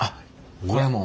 これもう。